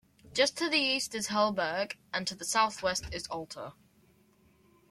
Just to the east is Helberg, and to the southwest is Alter.